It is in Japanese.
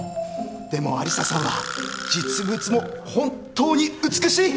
でも有沙さんは実物も本当に美しい！